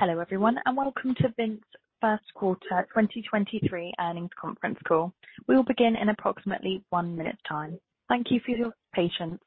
Hello, everyone, welcome to Vince First Quarter 2023 Earnings Conference Call. We will begin in approximately one minute's time. Thank you for your patience.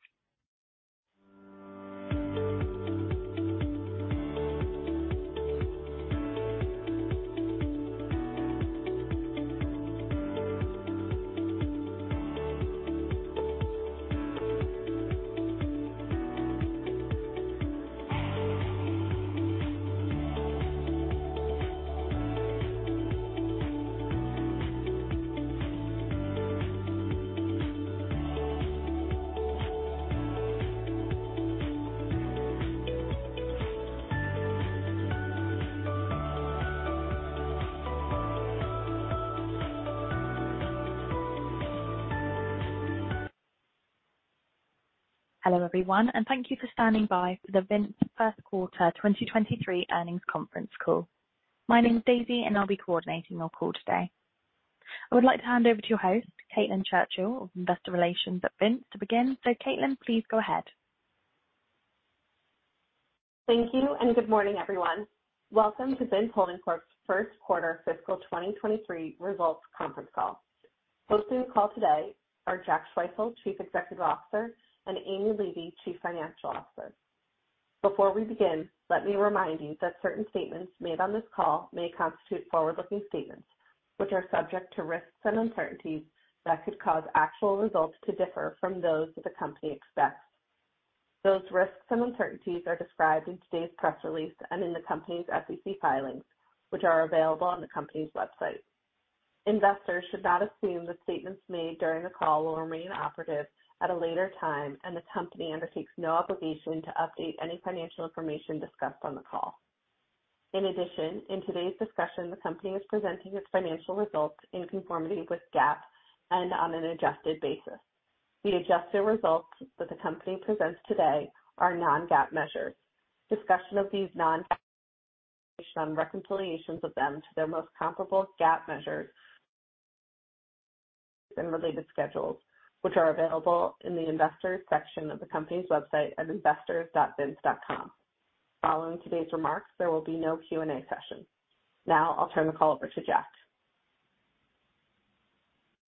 Hello, everyone, thank you for standing by for the Vince First Quarter 2023 Earnings Conference Call. My name is Daisy, and I'll be coordinating your call today. I would like to hand over to your host, Akiko Okuma of Investor Relations at Vince, to begin. Caitlin, please go ahead. Thank you, good morning, everyone. Welcome to Vince Holding Corp.'s First Quarter fiscal 2023 Results Conference Call. Hosting the call today are Jack Schwefel, Chief Executive Officer, and Amy Levy, Chief Financial Officer. Before we begin, let me remind you that certain statements made on this call may constitute forward-looking statements, which are subject to risks and uncertainties that could cause actual results to differ from those that the company expects. Those risks and uncertainties are described in today's press release and in the company's SEC filings, which are available on the company's website. Investors should not assume that statements made during the call will remain operative at a later time. The company undertakes no obligation to update any financial information discussed on the call. In addition, in today's discussion, the company is presenting its financial results in conformity with GAAP and on an adjusted basis. The adjusted results that the company presents today are non-GAAP measures. Discussion of these non-GAAP and reconciliations of them to their most comparable GAAP measures and related schedules, which are available in the Investors section of the company's website at investors.vince.com. Following today's remarks, there will be no Q&A session. Now I'll turn the call over to Jack.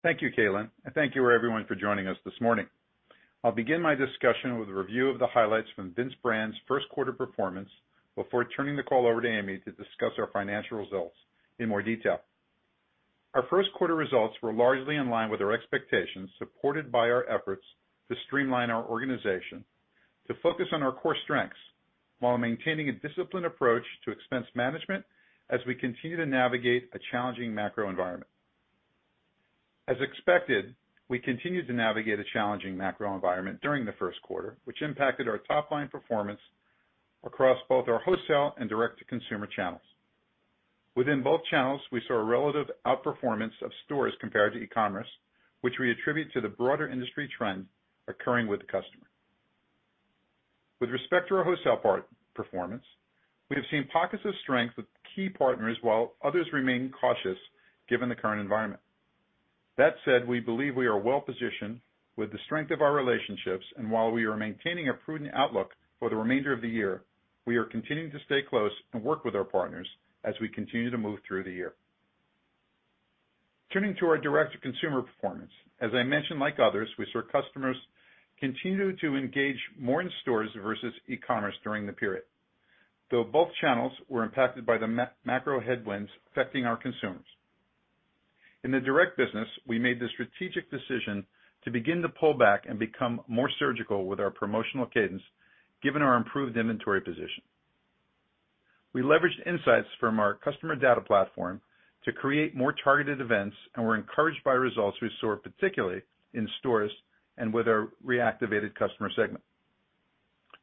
Thank you, Akiko, and thank you, everyone, for joining us this morning. I'll begin my discussion with a review of the highlights from Vince Brand's first quarter performance before turning the call over to Amy to discuss our financial results in more detail. Our first quarter results were largely in line with our expectations, supported by our efforts to streamline our organization to focus on our core strengths while maintaining a disciplined approach to expense management as we continue to navigate a challenging macro environment. As expected, we continued to navigate a challenging macro environment during the first quarter, which impacted our top-line performance across both our wholesale and direct-to-consumer channels. Within both channels, we saw a relative outperformance of stores compared to e-commerce, which we attribute to the broader industry trend occurring with the customer. With respect to our wholesale part performance, we have seen pockets of strength with key partners, while others remain cautious, given the current environment. We believe we are well positioned with the strength of our relationships, and while we are maintaining a prudent outlook for the remainder of the year, we are continuing to stay close and work with our partners as we continue to move through the year. Turning to our direct-to-consumer performance. As I mentioned, like others, we saw customers continue to engage more in stores versus e-commerce during the period, though both channels were impacted by the macro headwinds affecting our consumers. In the direct business, we made the strategic decision to begin to pull back and become more surgical with our promotional cadence, given our improved inventory position. We leveraged insights from our customer data platform to create more targeted events, and we're encouraged by results we saw, particularly in stores and with our reactivated customer segment.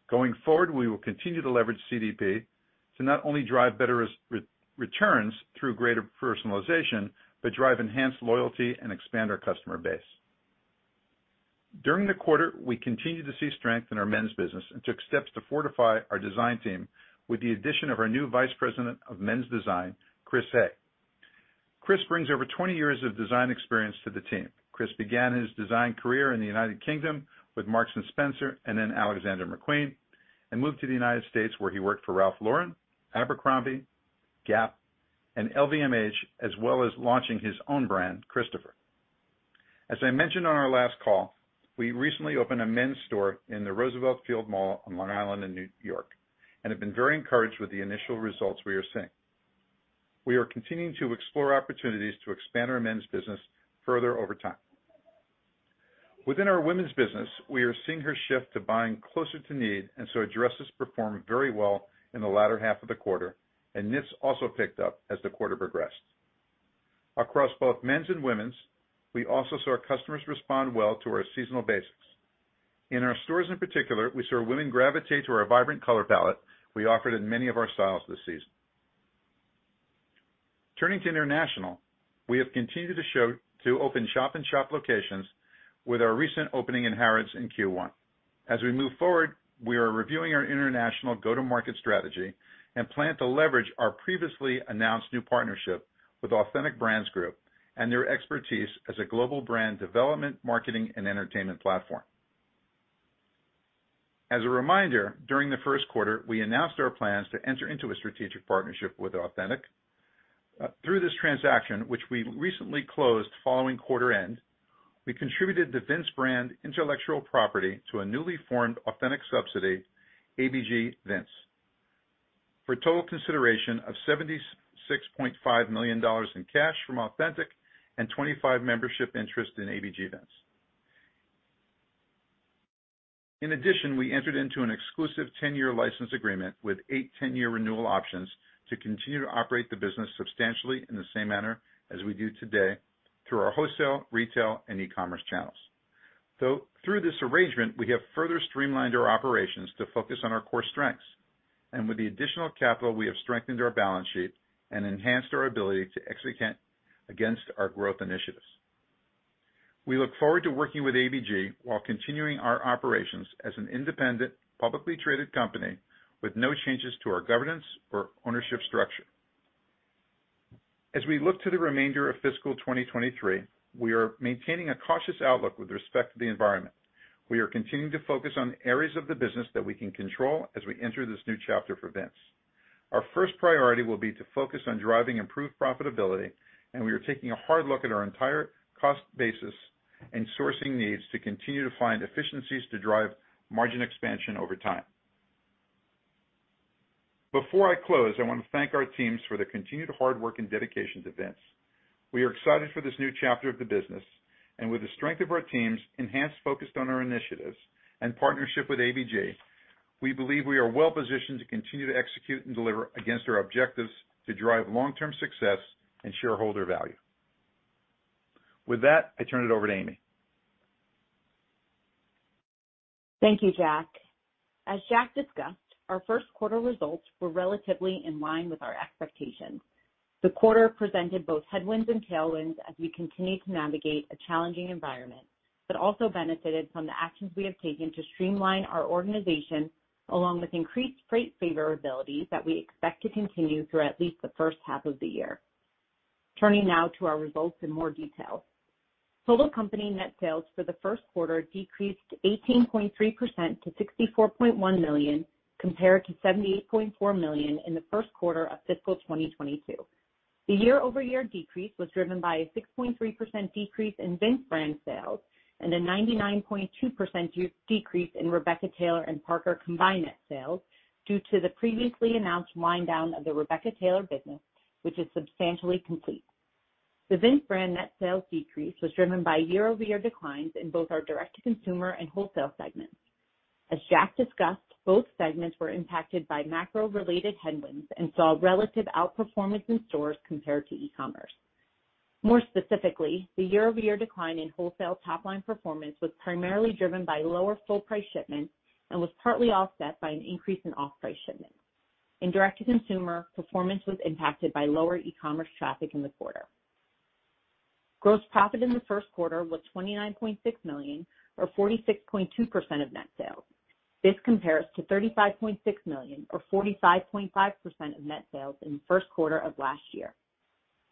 Going forward, we will continue to leverage CDP to not only drive better returns through greater personalization, but drive enhanced loyalty and expand our customer base. During the quarter, we continued to see strength in our men's business and took steps to fortify our design team with the addition of our new Vice President of Men's Design, Kris Haigh. Kris brings over 20 years of design experience to the team. Kris began his design career in the United Kingdom with Marks & Spencer and then Alexander McQueen, and moved to the United States, where he worked for Ralph Lauren, Abercrombie, Gap, and LVMH, as well as launching his own brand, Kristopher. As I mentioned on our last call, we recently opened a men's store in the Roosevelt Field Mall on Long Island in New York and have been very encouraged with the initial results we are seeing. We are continuing to explore opportunities to expand our men's business further over time. Within our women's business, we are seeing her shift to buying closer to need, and so dresses performed very well in the latter half of the quarter, and knits also picked up as the quarter progressed. Across both men's and women's, we also saw customers respond well to our seasonal basics. In our stores, in particular, we saw women gravitate to our vibrant color palette we offered in many of our styles this season. Turning to international. We have continued to open shop-in-shop locations with our recent opening in Harrods in Q1. As we move forward, we are reviewing our international go-to-market strategy and plan to leverage our previously announced new partnership with Authentic Brands Group and their expertise as a global brand development, marketing, and entertainment platform. As a reminder, during the first quarter, we announced our plans to enter into a strategic partnership with Authentic. Through this transaction, which we recently closed following quarter end, we contributed the Vince brand intellectual property to a newly formed Authentic subsidiary, ABG Vince, for a total consideration of $76.5 million in cash from Authentic and 25 membership interest in ABG Vince. In addition, we entered into an exclusive 10-year license agreement with 8-10-year renewal options to continue to operate the business substantially in the same manner as we do today through our wholesale, retail, and e-commerce channels. Through this arrangement, we have further streamlined our operations to focus on our core strengths. With the additional capital, we have strengthened our balance sheet and enhanced our ability to execute against our growth initiatives. We look forward to working with ABG while continuing our operations as an independent, publicly traded company, with no changes to our governance or ownership structure. As we look to the remainder of fiscal 2023, we are maintaining a cautious outlook with respect to the environment. We are continuing to focus on areas of the business that we can control as we enter this new chapter for Vince. Our first priority will be to focus on driving improved profitability, and we are taking a hard look at our entire cost basis and sourcing needs to continue to find efficiencies to drive margin expansion over time. Before I close, I want to thank our teams for their continued hard work and dedication to Vince. We are excited for this new chapter of the business, and with the strength of our teams, enhanced focus on our initiatives, and partnership with ABG, we believe we are well positioned to continue to execute and deliver against our objectives to drive long-term success and shareholder value. With that, I turn it over to Amy. Thank you, Jack. As Jack discussed, our first quarter results were relatively in line with our expectations. The quarter presented both headwinds and tailwinds as we continue to navigate a challenging environment, but also benefited from the actions we have taken to streamline our organization, along with increased freight favorability that we expect to continue through at least the first half of the year. Turning now to our results in more detail. Total company net sales for the first quarter decreased 18.3% to $64.1 million, compared to $78.4 million in the first quarter of fiscal 2022. The year-over-year decrease was driven by a 6.3% decrease in Vince brand sales and a 99.2% decrease in Rebecca Taylor and Parker combined net sales due to the previously announced wind down of the Rebecca Taylor business, which is substantially complete. The Vince brand net sales decrease was driven by year-over-year declines in both our direct-to-consumer and wholesale segments. As Jack discussed, both segments were impacted by macro-related headwinds and saw relative outperformance in stores compared to e-commerce. More specifically, the year-over-year decline in wholesale top line performance was primarily driven by lower full price shipments and was partly offset by an increase in off-price shipments. In direct-to-consumer, performance was impacted by lower e-commerce traffic in the quarter. Gross profit in the first quarter was $29.6 million, or 46.2% of net sales. This compares to $35.6 million, or 45.5% of net sales in the first quarter of last year.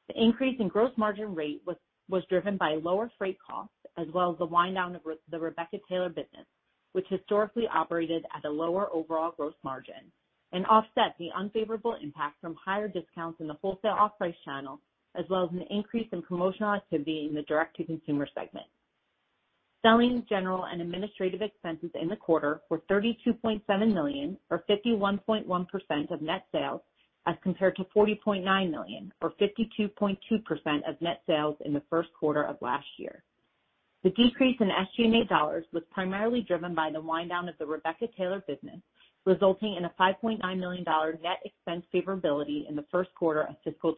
The increase in gross margin rate was driven by lower freight costs, as well as the wind down of the Rebecca Taylor business, which historically operated at a lower overall gross margin and offset the unfavorable impact from higher discounts in the wholesale off-price channel, as well as an increase in promotional activity in the direct-to-consumer segment. Selling, general, and administrative expenses in the quarter were $32.7 million, or 51.1% of net sales, as compared to $40.9 million, or 52.2% of net sales in the first quarter of last year. The decrease in SG&A dollars was primarily driven by the wind down of the Rebecca Taylor business, resulting in a $5.9 million net expense favorability in the first quarter of fiscal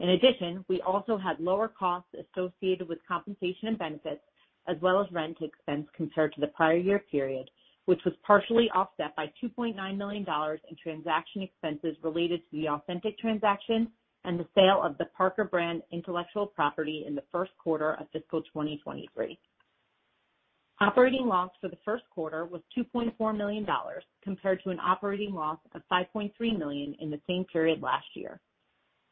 2023. We also had lower costs associated with compensation and benefits, as well as rent expense compared to the prior year period, which was partially offset by $2.9 million in transaction expenses related to the Authentic transaction and the sale of the Parker brand intellectual property in the first quarter of fiscal 2023. Operating loss for the first quarter was $2.4 million, compared to an operating loss of $5.3 million in the same period last year.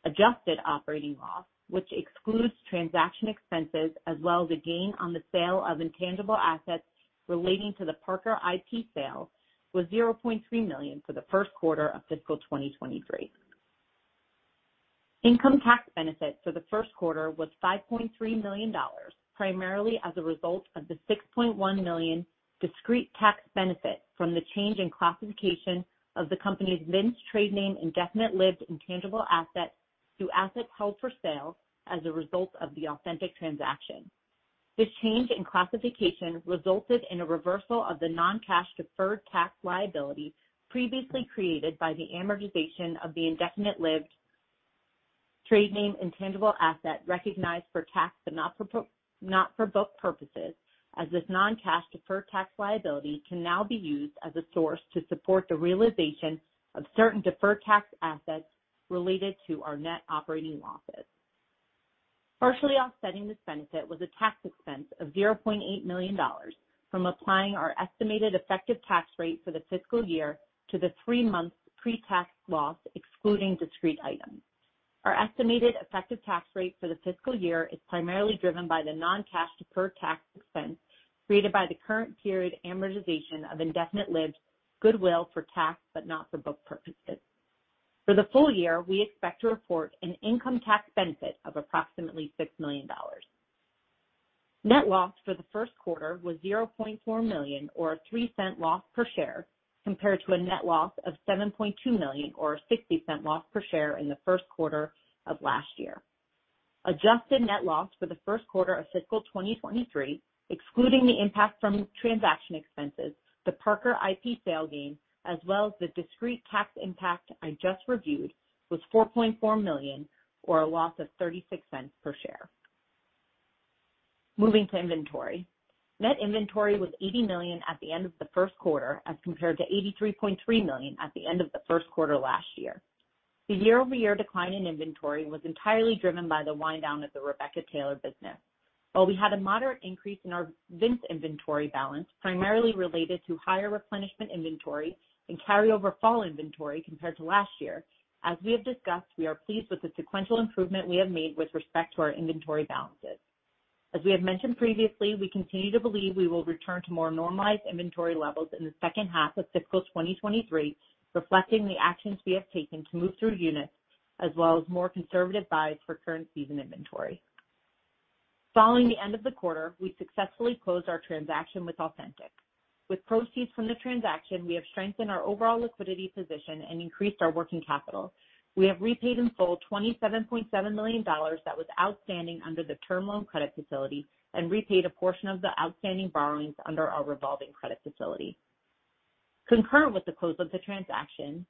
Adjusted operating loss, which excludes transaction expenses as well as a gain on the sale of intangible assets relating to the Parker IP sale, was $0.3 million for the first quarter of fiscal 2023. Income tax benefit for the first quarter was $5.3 million, primarily as a result of the $6.1 million discrete tax benefit from the change in classification of the company's Vince trade name, indefinite-lived intangible asset, through assets held for sale as a result of the Authentic transaction. This change in classification resulted in a reversal of the non-cash deferred tax liability previously created by the amortization of the indefinite-lived trade name intangible asset recognized for tax, but not for book purposes, as this non-cash deferred tax liability can now be used as a source to support the realization of certain deferred tax assets related to our net operating losses. Partially offsetting this benefit was a tax expense of $0.8 million from applying our estimated effective tax rate for the fiscal year to the three-month pre-tax loss, excluding discrete items. Our estimated effective tax rate for the fiscal year is primarily driven by the non-cash deferred tax expense created by the current period amortization of indefinite-lived goodwill for tax, but not for book purposes. For the full year, we expect to report an income tax benefit of approximately $6 million. Net loss for the first quarter was $0.4 million, or a $0.03 loss per share, compared to a net loss of $7.2 million, or a $0.60 loss per share in the first quarter of last year. Adjusted net loss for the first quarter of fiscal 2023, excluding the impact from transaction expenses, the Parker IP sale gain, as well as the discrete tax impact I just reviewed, was $4.4 million, or a loss of $0.36 per share. Moving to inventory. Net inventory was $80 million at the end of the first quarter, as compared to $83.3 million at the end of the first quarter last year. The year-over-year decline in inventory was entirely driven by the wind down of the Rebecca Taylor business. While we had a moderate increase in our Vince inventory balance, primarily related to higher replenishment inventory and carryover fall inventory compared to last year, as we have discussed, we are pleased with the sequential improvement we have made with respect to our inventory balances. As we have mentioned previously, we continue to believe we will return to more normalized inventory levels in the second half of fiscal 2023, reflecting the actions we have taken to move through units, as well as more conservative buys for current season inventory. Following the end of the quarter, we successfully closed our transaction with Authentic. With proceeds from the transaction, we have strengthened our overall liquidity position and increased our working capital. We have repaid in full $27.7 million that was outstanding under the term loan credit facility and repaid a portion of the outstanding borrowings under our revolving credit facility. Concurrent with the close of the transaction,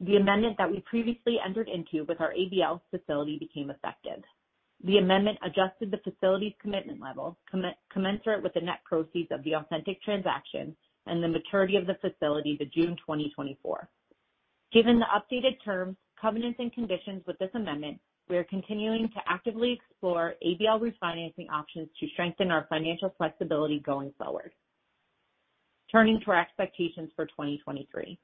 the amendment that we previously entered into with our ABL facility became effective. The amendment adjusted the facility's commitment level, commensurate with the net proceeds of the Authentic transaction and the maturity of the facility to June 2024. Given the updated terms, covenants, and conditions with this amendment, we are continuing to actively explore ABL refinancing options to strengthen our financial flexibility going forward. Turning to our expectations for 2023.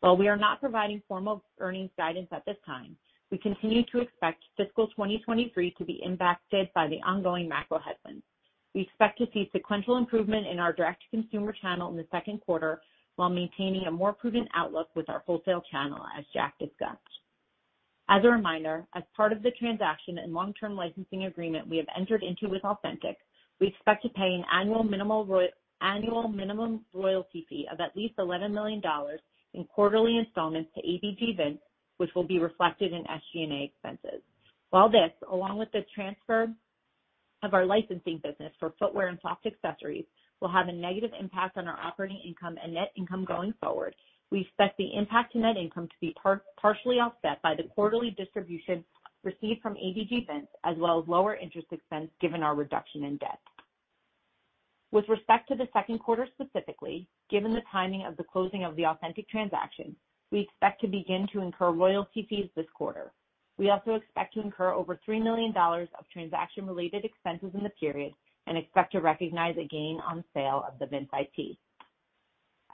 While we are not providing formal earnings guidance at this time, we continue to expect fiscal 2023 to be impacted by the ongoing macro headwinds. We expect to see sequential improvement in our direct-to-consumer channel in the second quarter, while maintaining a more prudent outlook with our wholesale channel, as Jack discussed. As a reminder, as part of the transaction and long-term licensing agreement we have entered into with Authentic, we expect to pay an annual minimum royalty fee of at least $11 million in quarterly installments to ABG Vince, which will be reflected in SG&A expenses. While this, along with the transfer of our licensing business for footwear and soft accessories, will have a negative impact on our operating income and net income going forward, we expect the impact to net income to be partially offset by the quarterly distribution received from ABG Vince, as well as lower interest expense, given our reduction in debt. With respect to the second quarter specifically, given the timing of the closing of the Authentic transaction, we expect to begin to incur royalty fees this quarter. We also expect to incur over $3 million of transaction-related expenses in the period and expect to recognize a gain on sale of the Vince IP.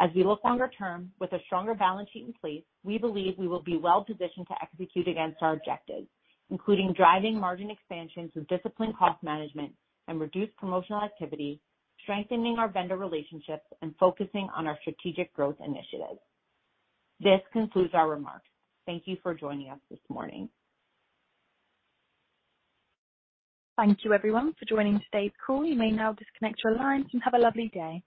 As we look longer term, with a stronger balance sheet in place, we believe we will be well positioned to execute against our objectives, including driving margin expansions with disciplined cost management and reduced promotional activity, strengthening our vendor relationships, and focusing on our strategic growth initiatives. This concludes our remarks. Thank you for joining us this morning. Thank you, everyone, for joining today's call. You may now disconnect your lines and have a lovely day.